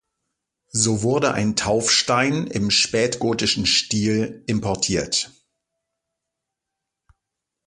So wurde ein Taufstein im spätgotischen Stil importiert.